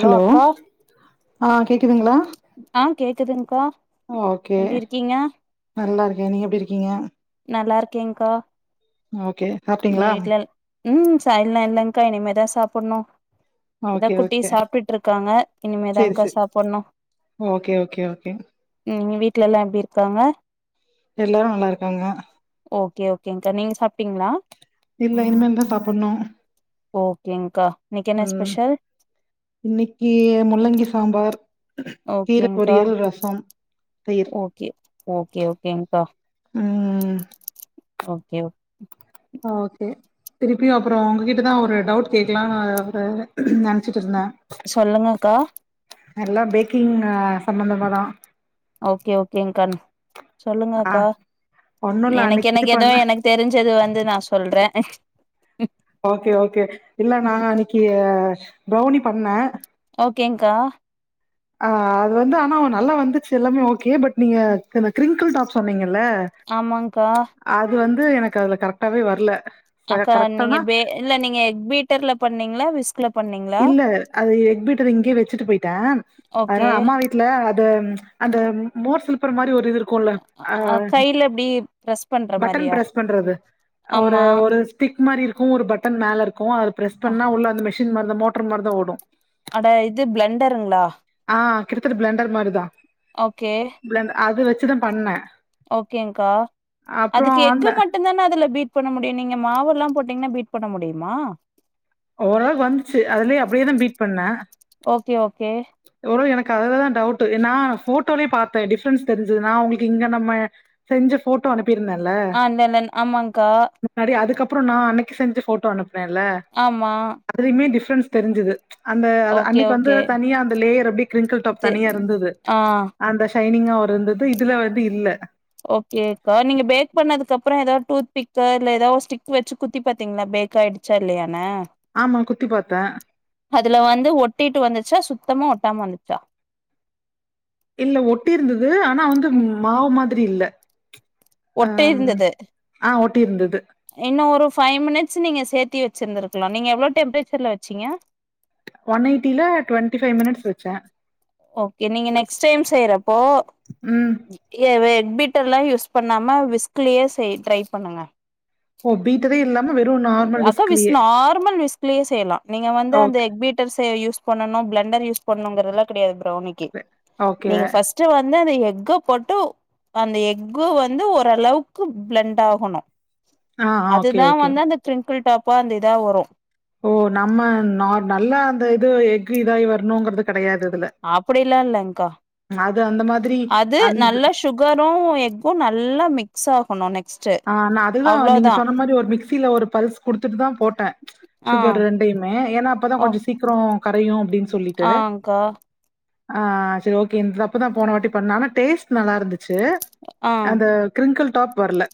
Hello ஆ கேக்குதுங்களா ஆ கேக்குதுங்க்கா ஓகே எப்டி இருக்கீங்க நல்லா இரு நீங்க எப்படி இருக்கீங்க நல்லா இருக்கே்கா ஓகே சாப்டீங்களா ம் சாயல்லாம் இல்ங்க்கா இனிமேதான் சாப்டணும் இதான் ஓகே குட்டி ஓகே சாப்பிட்டுட்ருக்காங்க சேரி இனிமேதாங்க்கா சேரி சாப்புடணும் ஓகே ஓகே ஓகே உம் வீட்ல எல்லாம் எப்படி இருக்காங்க எல்லாரும் நல்லா இருக்காங்க ஓகே ஓகேங்க்கா நீங்க சாப் ப்டிங்ளா இல்ல இனிமேல் தா சாப்புட்ணூ ஓகேங்க்கா இன்னைக்கு என்ன ம் ஸ்பெஷல் இன்னிக்கி முள்ளங்கி சாம்பார் கீர ஓகேங்க்கா பொறியல் ரசம் தயிர் ஓகே ஓகே ஓகேங்க்கா ம் ஓகே ஓகே திருப்பியு அப்புறம் உங்ககிட்டதா ஒரு டவுட் கேக்கலா அ நெனச்சிட்டு இருந்தே சொல்லுங்கக்கா எல்லாம் பேக்கிங் அ சம்பந்தமாதா ஓகே ஓகேங்க்கா சொல்லுங்க ஆ அக்கா ஒண்ணு இல்ல எனக்கு அன்னைக்கு இது எனக்கு பண்ண ஏதோ எனக்கு தெரிஞ்சது வந்து நா சொல்றே ஓகே ஓகே இல்ல நான் அன்னைக்கு ப்ரௌனி பண்ணே ஓகேங்க்கா ஆ அது வந்து ஆனா வ நல்லா வந்துச்சு எல்லாமே கே பட் நீங்க அந்த க்ரிங்கிள் டா சொன்னிங்க ல ஆமாங்க்கா அது வந் து எனக்கு அதுல கரெக்டாவே வரல ச அக்கா நீங்க கரெக்டானா பே இல்ல நீங்க எக் பீட்டர்ல பண்ணீங்களா விஸ்க்ல பண்ணீங்களா இல்ல அது எக்பீட்டர் இங்கயே வச்சுட்டு போயிட்டே ஓகே அதனால அம்மா வீட்ல அது அந்த மோர் சில்ப்பர் மாரி ஒரு இது இருக்குல்ல அ கைல இப்டி ப்ரெஸ் பண்ற பட்டன் மாரியா ப்ரஸ் பண்றது ஒரு ஆமா ஒரு ஸ்டிக் மாரி இருக் ஒரு பட்டன் மேல இருக் கு அது ப்ரஸ் அ பண்ணா உள்ள அந்த மிஷ் ம் அந்த மோட்டர் மாதிரி தா ஓடு அட இது ப்ளண்டருங்களா ஆ கிட்டத்தட்ட ப்ளண்டர் மாரிதா ஓகே அது வச் ட்டுதா பண்ணே ஓகேங்க்கா அப்றோ அதுக்கு அந்த எஃக்கு மட்டுந்தானே அதுல பீட் பண்ண முடியு நீங்க மாவல்லா போட் ட்டீங்னா பீட் பண்ண முடியுமா ஓரளவுக்கு வந்துச்சு அதுலயே அப்படியே தா பீட் பண்ணே தியோ [unintelligible] எனக்கு அதலத தான் டவுட் என்னா போட்டோலே பாத்தேன் டிஃப்ரன்ஸ் தெரிஞ்சது நா உங்களுக்கு இங்க நம்ம செஞ்ச போட்டோ அனுப் ஆஹ் நன்நன் ஆமாங்கா அப்றோ நான் அன்னைக்கு செஞ்ச போட்டோ அனுப் மெல ஆமா அதுலயுமே டிஃப் டிஃப்ரன்ஸ் தெரிஞ்சது அந்த அதா ஓகே அன்னைக்கு வந்து ஓகே தனியா அந்த [unintelligible] ப்படி கிரிங்கிள் டாப் தெ தனியா இருந்தது ஆ அந்தஸ ஷைனிங்கா ஒருந்தது இதுல வந்து இல்ல ஓகேக்கா நீங்க பேக் பண்ணதுக்கு அப்புறம் ஏதாவ டூத் பிக் இல்ல ஏதாவோ ஸ்டிக் வச்சு குத்தி பாத்தீங்களா பேக் ஆயிடுச்சா இல்லையான ஆமா குத்தி பார்த்தேன். அதுல வந்து ஒட்டிட்டு வந்துச்சா சுத்தமா ஒ கட்டம் வந்துச்சா இல்ல ஒட்டி இருந்தது ஆனா வந்து மாவு மா ரி இல்ல ஒட்டு அம் இருந்தது ஆ ஒட்டியிருந்தது. இன்னு ஒரு ஃபைவ் மினிட்ஸ் நீங்க சேர்த்தி வச்சிருருக்கலா நீ எவ்வளோ டெம்பரேச்சர்ல் வச்சீங்க ஒன் எய்ட்டில டுவெண்ட்டி பைவ் மினிட்ஸ் வச்சே ஓகே நீங்க நெக்ஸ்ட் டைம் செய்யறப்போ ம். ஏ வே எ பீட்டர்லா யூஸ் பண்ணாம ஸ் கிளியர் செய் ட்ரை பண்ணுங்க ஓ! பீட்டரே இல்லாம வெறும் நார்மல் அக்க விச விஸ்க்லயே. நார்மல் விச ப்ளே செய்யலா நீங்க வந்து ஓகே. அந்த எக்பீட்டர்ஸ யூஸ் பண்ணனு பிளன்டர் யூஸ் பண்ணுகிறதுலா கெடையாது டோனிக்கி ஓகே நீங்க ஃபஸ்ட் வந் இந்தா அந்த எக்க போட்டு அந்த எக்கு வந்து ஓரளவுக்கு பிளண்டாகனு ஆ ஓகே ஓகே ஃபுல் டாப்பா அந்த இதா வரும் ஓ நம்ம ந நல்லா அந்த இது எக் இதாயி வரணுங்கறது கெடையாது இதுல அப்படிலாம் இல்லன்கா அது அந்த மாதிரி அது அந்த நல்லா சுகரும் எக்கும் நல்லா மிக்ஸ் ஆக் [inaudible] ஆஹ் நான் அதுதான் நீங்க சொன்ன மாதிரி ஒரு மிக்சியில ஒரு பல்ஸ் குடுத்துட்டு தான் போட்டேன் ஆ சுகர் ரெண்டயுமே ஏன்னா அப்பதான் கொஞ்சம் சீக்கிரம் கரையும் அப்டின்னு ஆன் கா ஆஹ் சரி ஓகே இந்த தப்பதான் போன வாட்டி பண்ண ஆனா டேஸ்ட் நல்லா இருந்து ச்சு ஆ அந்த கிரிங்கிள் டாப் வரல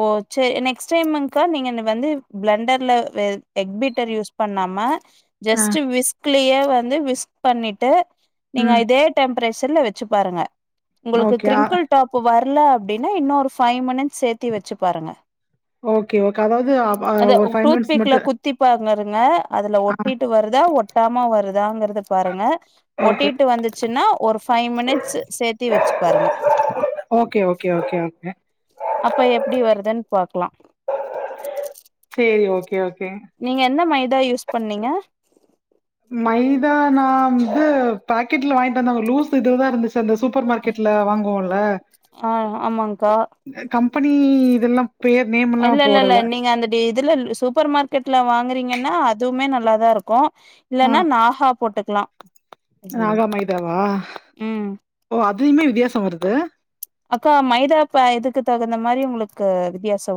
ஓ செரி நெக்ஸ்ட் டைமுன் கா நீங்க வந்து பிளண்டர்ல எக் பீட்டர் யூஸ் பண்ணாம ஆ ஜஸ்ட் விஸ்கலயே வந்து விஸ்க் பண்ணிட்டு நீங்க ம் இதே டெம் பிரஷர்ல வச்சு பாருங்க உங்களுக்கு ஓகே ஆ கிரிங்கிள் டாப் வரல அப் ப்டினா இன்னும் ஒரு ஃபை மினிட்ஸ் சேத் சுத்தி வச்சு பாருங்க ஓகே ஓகே அதாவது அ அது ஒரு ஃபைவ் டூத் மினிட்ஸ் பிக்ல மட்டு குத்தி பாருங்க அதுல அதுல ஆ ஒட்டிட்டு வருதா ஒட்டாம வருதாங்கிறத பாருங்க ஓகே ஒட்டிட்டு வந்துச்சுன்னா ஒரு ஃபைவ் மினிட்ஸ் சேத்தி வெச்சு பாருங்க ஓகே ஓகே ஓகே ஓகே அப்ப எப்படி வருதுன்னு பாக்கலாம் சேரி ஓகே ஓகே நீங்க என் எந்த மைதா யூஸ் பண்ணீங்க அது பாக்கெட்ல வாங்கிட்டு வந்தாங்க லூஸ் இதுலதான் இருந்துச்சு அந்த சூப்பர் மார்க்கெட்ல வாங்குவோல ஆஹ் ஆமாக்கா கம்பெனி இதெல்லா பேர் நேம்ல்லா இல்ல இல்ல இல்ல போடல நீங்க அந்த இதுல சூப்பர் மார்க்கெட்ல வாங்குறீங்கன்னா அதுவுமே நல் நல்ல தான் இருக்கும் இல்லன்னா நாஹா போட்டது க்லாம் ராகா மைதாவா ம் ஓ அத் எதுமே வித்தியாசம் வருது அக்கா மைதா இப்ப இதுக்கு தகுந்த மாரி உங்களுக்கு வித்தியாஸ்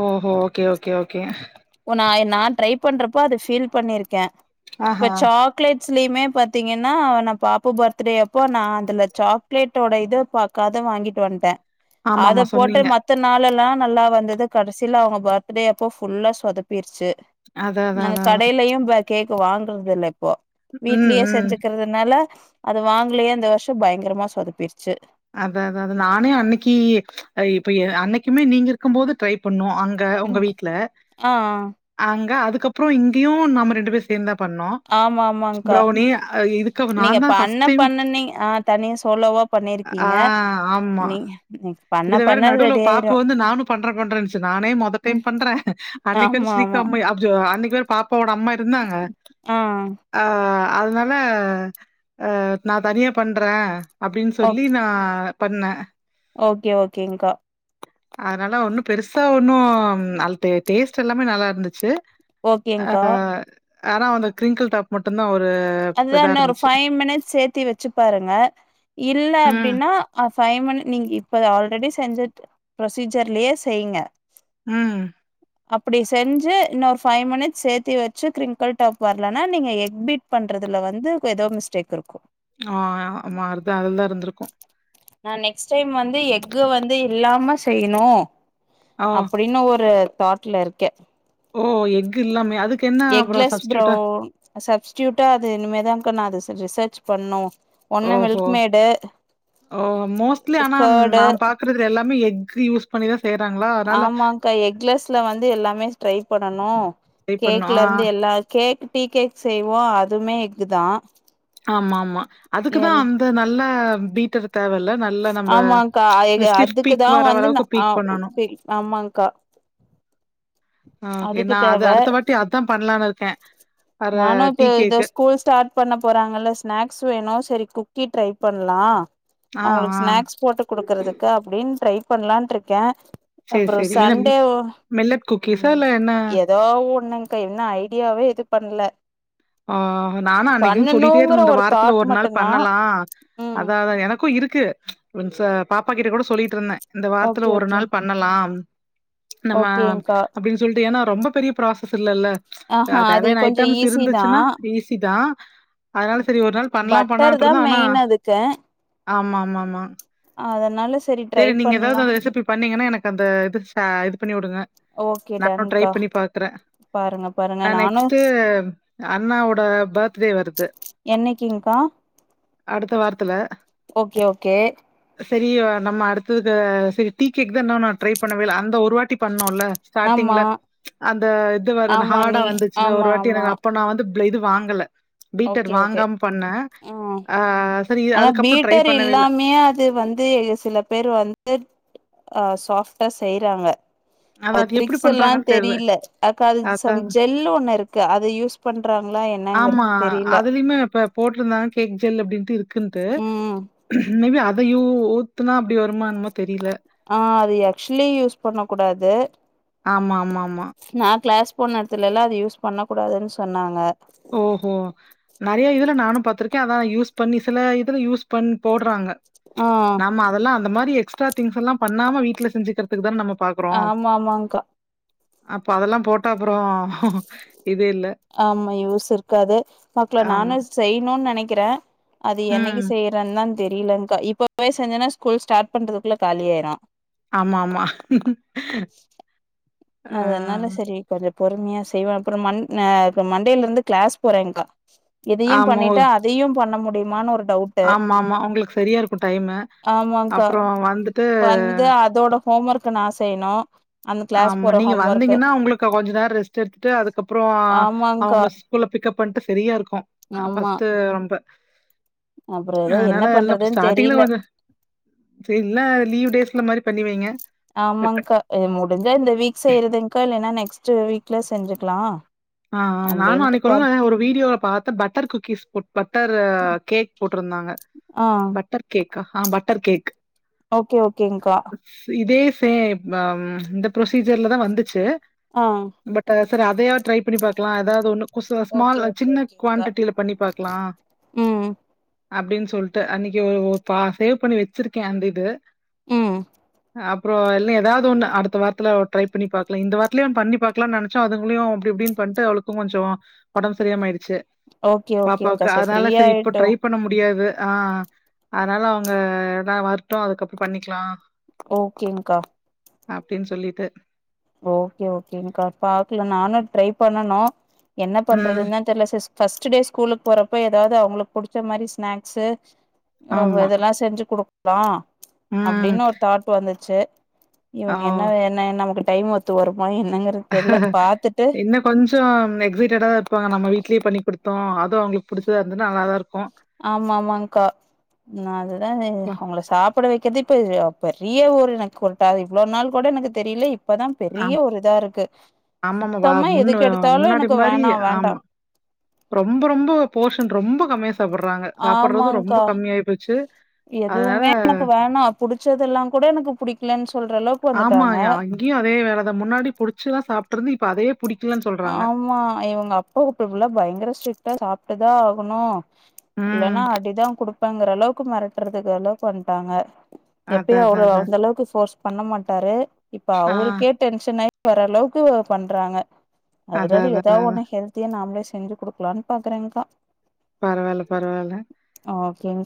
ஓஹோ ஓகே ஓகே ஓகே ந நா ட்ரை பண்றப்போ அது ஃபீல் பண்ணிருக்கே இப்ப ஆஹா சாக்லேட் ஸ்லிமே பாத்தீங்கன்னா அவன பாப்பா பர்த்டே அப்போ நா அதுல சாக்லேட்டோட இது பாக்காத வாங்கிட்டு வந்ட்டே ஆமா அத ஆமா போட்டு சொன்னீங்க மத்த நாளெல்லா நல்லா வந்துது கடசில அவங்க பர்த்டே அப்போ ஃபுல்லா சொதப்பீர்ச்சு அத அத நாங்க அத அதா கடைலயு ப கேக் ப்ப வாங்கறதில்ல போ ம் வீட்லயே ம் செஞ்சுக்கறதுனால அது வாங்லயா இந்த வர்ஷோ பயங்கரமா சொதப்பீர்ச்சு அத அதா அது நானே அன்னிக்கு இப்ப ஏ அன்னைக்குமே நீங்க இருக்கும்போது ட்ரை பண்ணுவோ அங்க உங்க ம் வீட்ல ஆ ஆ. அங்க அதுக் கப்றோ இங்கயு நாம ரெண்டு பேர் சேந்தா பண்ணோ ஆமா ஆமாங்க்கா ப்ரௌனி இதுக்கு நீங்க நான்தா பண்ண ஃபர்ஸ்ட் டைம் பண்ண நீ ஆ தனியா சோலவா பண்ணிருக் கீங்க நீங்க நீங்க பண்ண இது வேற பண்ண நடுவ்ல ரெடி பாப்பா ஆயிரு வந்து நானு பண்ற பண்றேன்ச்சு நானே மொத டைம் ம் பண்றே அன்னைக் வந்து ஆமா ஸ்வீட் ஆமா கம்மி [unintelligible] அன்னை [unintelligible] பாப் போட அம்மா இருந்தாங்க ஆ ஆஹ் ஆஹ் அதுனால அ நா தனியா பண்றே அப்படின் ஓகே சொல்லி நா பண்ணே ஓகே ஓகேங்க்கா அதனால ஒன்னு பெருசா ஒன்னு ம் நல் டே டேஸ்ட் எல்லாமே நல்லார்ந்துச்சு ஆ ஓகேங்க்கா அஹ் ஆனா அந்த க்ரிங்கிள் டாப் மட்டுந்தா ஒ அது தா இன்னு ஒரு ஃபை மினிட்ஸ் சேத்தி வெச்சு பாருங்க இல்ல ம். அப்டினா ஃபை மினிட் நீங்க இப்ப ஆல்ரெடி செஞ்சுட் ப்ரொசீஜர்லே செய்ங்க ம் அப்படி செஞ்சு இன்னோரு ஃபை மினிட்ஸ் சேத்தி வெச்சு க்ரிங்கிள் டாப் வர்லனா நீங்க எக் பிட் பண்றதுல வந்து ஏதோ மிஸ்டேக் இருக்கு ஆஹ் ஆமா அதா அதுல இருந்திருக்கு நா நெக்ஸ்ட் டைம் வந்து எக் வந்து இல்லாம செய்யணு ஆ. அப்படினு ஒரு தாட்ல இருக்கே ஓ எக்கு இல்லாமே அதுக்கு என்ன அப்புறொ சப்ஸ்டூய்ட்டா ட்ட அது இனிமேதாக்கா நா ரிச ரிசர்ச் பண்ணு ஒன்னு ஓஹோ மில்க் மேடு ஓ மோஸ்ட்லி ஆனா கேர்டு நா பாக்குறதுல எல்லாமே எக்‌ யூஸ் [unintelligible] அதனால ஆமாக்கா எக்லஸ்ல வந்து எல்லாமே ட்ரை பண்ணனு ட்ரை பண்ணோம். கேக்ல இருந்து எல்லா கேக் டீ கேக் செய்வோ அதுமே க்குதா ஆமா ஆமா அதுக்குதா அந்த நல்ல பீட்டர் தேவல் இல்ல நா ஆமாங்க்கா அ எ அதுக்குதா வர வந்து அளவுக்கு அ பீக் ஓ பண்ணணும். சரி ஆமாக்ங்கா ஆ ஓகே. அதுக்கு நான் தேவ அது அடுத்த வாட்டி அதான் பண்ணலான்னு இருக்கேன். வர நானு இப்ப டீ இத கேக்கு. ஸ்கூல் ஸ்டார்ட் பண்ண போறாங்கல்ல. ஸ்நாக்ஸ் வேணு சரி குக்கி ட்ரை பண்ணலா ஆ அ ஸ்நாக்ஸ் போட்டு குடுக்கறதுக்கு அப்படின்னு ட்ரை பண்ணலான்டுருக்கே சரி, அப்புறொ சரி. என்ன சண்டே ஒ மில்லட் குக்கீஸா ம். இல்ல என்ன? எதோ ஒன்னுக்ங்கா இன்னு ஐடியாவே எது பண்ணல. ஆஹ் நானு அன்னைக்கிறுந்து சொல்லிட்டேருந் இந்த வாரத்துல தாட் ஒரு நாள் மட்டுந்தா பண்ணலா ம் அது அதா எனக்கு இருக்கு. புரிஞ்ச்சா பாப்பா கிட்ட கூட சொல்லிட்டுருந்த இந்த வாரத்துல ஓகே ஒரு ஓகே நாள் பண்ணலாம். நம்ம ஓகேங்க்கா அப்டின்னு சொல்லிட்டு ஏன்னா. ரொம்ப பெரிய ப்ராசஸ் இல்லல்ல ஆஹா அது கொஞ்சொ ஈஸிதா ச்சுனா ஈஸிதா அதனால சரி ஒரு நாள் பண்ணலா பட்டர் தா பண்ணலான்ட்டுருந்தோ ஆனா, மெயின் அதுக்கு ஆமா ஆமா ஆமா. நல ஸ் சரி நீங்க எதாவது அந்த ரெசிபி பண்ணீங்கன்னா எனக்கு அந்த இது ஷே இது பண்ணியுடுங்க. ஓகே நானு ட்ரை டன்க்கா பண்ணி பாக்குற பாருங்க பாருங்க நா நானு நெக்ஸ்ட்டு அண்ணாவோட பர்த்டே வருது என்னைக்கிங்க்கா அடுத்த வாரத்துல ஓகே ஓகே தெரியா நம்ம அடுத்ததுக்கு சரி டீ கேக்தா இன்னு நா ட்ரை பண்ணவே இல்ல அந்த ஒரு வாட்டி பண் ணோல ஆமா ஸ்டார்டிங்ல அந்த இது வருனு ஆமா ஹார்டா நீ வந்துச்சுல ஒரு ஆமா வாட்டி ஆமா எனக்கு அப்ப நா வந்து ப புல இது வாங்கல. பீட்டர் ஓகே ஓகே வாங்காம பண்ணேன். ஆ சரி ஆனா அதுக்கப்புறம் ட்ரை பீட்டர் பண்ணவே இல்ல. இல்லாமே அது வந்து சில பேரு [inaudible] அஹ் சாப்ட்டா செய்யறாங்க. அது அதான் எப்படி ட்ரிக்ஸ் எல்லா பண்றாங்கன்னு தெரியல அக்கா அது சம் அதான் ஜெல்லு ஒண்ணு இருக்கு அத யூஸ் பண்றாங்களா என்னாங்கிறது. ஆஹ் அதுலயுமே இப்ப போட்டிருந்தான். கேக் ஜெல் அப்படினு. ப்பிடி இருக்குன்ட்டு ம் மேபி அது. அதையு ஊத்துனா அப்படி வருமான்னுமோ என்னமோ தெரியல. ஆஹ அது ஆக்சுலி யூஸ். பண்ண கூடாது. ஆமா ஆமா ஆமா நா கிளாஸ் போன இடத்துலல்லா அது யூஸ் பண்ணக்கூடாதுன்னு சொன்னாங்க ஓஹோ நிறைய [unintelligible] இல்ல நானு பாத்திருக்கே அத யூஸ் பண்ணி சில இதுல யூஸ் பண்ணி போடறாங்க ஆ நமா அதெல்லா அந்த மாரி. எக்ட்ரா திங்ஸ்லாம் பண்ணாம வீட்ல செஞ்சுக்கறதுக்கு தா நம்ம பார்க்குறோம். ஆமா ஆமங்க்கா அப்ப அதெல்லா போட்டா அப்புறம் இது இல்ல [unintelligible] இருக்காது பாக்கள ஆமா. நானு செய்ணுன்னு நினைக் க்கிறே அது என்னைக்கு ம். செய்யறனன். தெரியலங்கா இப்போ போய் செஞ்சனா ஸ்கூல் ஸ்டார்ட் பண்றதுக்குள்ள காலியாயிரும் ஆமாமா ஆ அதனால சரி கொஞ்சொ பொறுமையா செய்வோ அப்பற மண் ஏ மண்டைல இருந்து க்ளாஸ் போறேங்கா இதையு ஆமா. பண்ணிட்டா அதையும் பண்ண முட் முடியுமானு ஒரு டவுட்டு ஆமாமா உங்களுக்கு சரியா இருக்கு டைமு ஆமாங்க்கா அப்பொற வந்துட்டு செய்ணு அந்த க்ளாஸ் ஆமா, நீங்க வந்தீங்கன்னா உங்களுக்கு கொஞ்ச நேரோ ரெஸ்ட் எடுத்துட்டு அதுக்கப்பொற ஆமாங்க்கா அவங்கள ஸ்கூல பிக்கப் பண்ட்டு சரியா இருக்கு ஆமா ப்ஸ்ட் ரொம்ப அப்புறோ எதோ என்ன அதனால யெல்லா பண்றதுன்னு ஸ்டார்டிங்ல தெரியல கொஞ்சொ சரி இல்ல லீவ் டேஸ் இந்தமாரி பண்ணி வைங்க ஆமாங்கா இது முடிஞ் த இந்த வீக் செய்றதுங்க்கா இல்லைனா நெக் க்ஸ்ட் வீக்ல செஞ்சிக்லா ஆ அ நானு அன்னைக்கொர்நாளு ஒரு வீடியோல பாத்தே butter cookies put butter cake போட்ருந்தாங்க ஆ பட்டர் கேக் க ஹா பட்டர் கேக் ஓகே ஓகேங்க்கா சேப் வம் இந்த ப்ரொசீஜர்ல தா வந்துச்சு ஆ செரி அதயாவ் ட்ரைப் ப்பிடி பாக்லா அதாவதொன்னு கு சோ ஸ்மால் ஓகே ஓகே சின்ன ஓகேங்க்கா குவேண்டிட்டில பண்ணி பாக்லா ம் அப்டின் சொல்ட்டு அன்னிக்கு ஒ ஒ பா சேவ் பண்ணி வெச்சிர்க்கே அந்த இது உம் அப்றோ எல் எதாவ்து ஒன்னு அடுத்த வார்த்துல ஒ ட்ரை பண்ணி பாக்லா இந்த வார்த்லியே ஒன் பண்ணி பாக்லான் நெனச்சோ அதுங்குலியு அப்டிஇப்டின் பண்ட்டு அவுளுக்கு கொஞ்சோ ஒடம் சரியாம ஆயிடுச்சு ஓகே ஓகேங்க்கா பாப்பாவுக்கு சரி அதுனால ஃப்ரீயா செரி இப்ப ஆயிட்டோ ட்ரை பண்ண முடியாது அ அ அதனால அவுங்க எல்லா வருட்டு அதுக்கப்புற பண்ணிக்லா ஓகேங்க்கா அப்டின் சொல்லிட்டு ஓகே ஓகேங்க்கா பாக்ல நானு ட்ரை பண்ணனு என்ன ம். பண்றதுன் தா தெர்ல சிஸ் ஃபஸ்ட் டே ஸ்கூலுக் போறப்ப எதாவது அவுங்ளுக் புடிச்ச மாரி ஸ்நாக்ஸ்சு அவ் ஆமா. இதெல்லா செஞ்சு குடுக் தா ம். அப்டின்னு ஒரு தாட் வந்துச்சு இவுங்க என்னாது ஓ. என்ன நம்ம கிட் டைமு ஒத்து வரும் இன்ன கொஞ்சோ எக்சைட்டடா இருப்பாங்க நம்ம வீட்லியே பண்ணிகுடுத் த்தூ அது அவுங்களுக் புடிச்சதா இருந்துனா நல்லதாருக் ஆமா ஆமாங்க்கா நா அதுதா அது அப்பா அவுங்ள சாப்பட வெக்கதேப் ப்பர் பெரிய ஒரு எனக்குகொரு டா இவ்ளோ நாள் கொட எனக்கு தெரியில இப் ஆம் ஆம்மம்மா வா சுத்தமா முன்ன எதுக்கு எடுத்தாலு முன்னாடி எனக்கு மாரி வேணா வேண்டா ஆமா ரொம்பொ ரொம்போ போர்ஷன் ரொம்பொ கம்மியா சாப்பட்ற றாங்க சாப்பட்றது ரொம்ப ஆமாங்க்கா கம்மியாயி போச்சு அதனால எதுவுமே எனக்கு வேணா புடிச்சதெல்லாங் கூட எனக்கு புடிக் லன்ச் ஆமாயா அங்கயு அதே வேலதா முன்னாடி புடிச்சுதா சாப் ட்றது இப்ப அதே ஆமா இவங்க அப்பாவு இப்ப ஃபுல்லா பயங்கர ஸ்ட்ரிட் டா சாப்ட்டுதா ஆகணு ம். இல்லனா அடிதா குடுப் பேங்கிற அளவுக்கு மெறட்றதுக்கு அளவுக்கு வண்டாங்க எப்பயு அதான் அவரு அதான் அதான். அந்த அளவுக்கு ஃபோர்ஸ். பண்ண மாட்டாரு இப்ப ஆ அவருக்கே டென்ஷனாய் ஓரளவுக்கு பண்றாங்க அதனால அதான் அதான் ஏதா அதான் ஒன்னு அதான். ஹெல்த்தியா நாமளே செ செஞ்சு குடுக்கலான்னு பாக்குறேங்கா பரவால்ல பரவால்ல ஓகேங்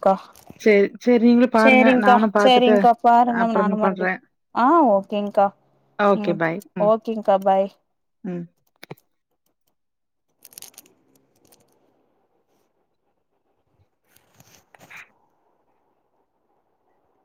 சேர்ச்சேரி சேரிங்க்கா சேரிங்க்கா பாருங்க நானு அப்புறம் மறுபடி பண்றேன். ஓகேங்க்கா ஓகே உம் பாய். ம் ஓகேங்க்கா பாய் ம்.